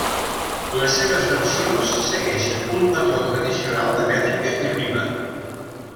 Les seves versions segueixen un patró tradicional de mètrica i rima.